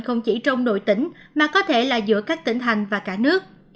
không chỉ trong nội tỉnh mà có thể là giữa các tỉnh thành và cả nước